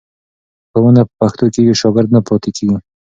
ښوونه په پښتو کېږي، شاګرد نه پاتې کېږي.